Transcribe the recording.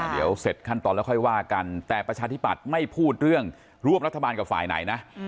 เดี๋ยวเสร็จขั้นตอนแล้วค่อยว่ากันแต่ประชาธิปัตย์ไม่พูดเรื่องร่วมรัฐบาลกับฝ่ายไหนนะ